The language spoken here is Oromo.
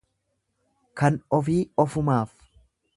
Kan ofii ofumaaf.